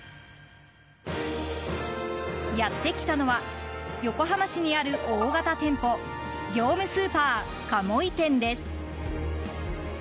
やってきたのは横浜市にある大型店舗業務スーパー鴨居店です。